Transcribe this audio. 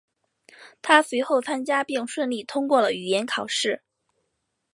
他随后参加并顺利通过了语言考试。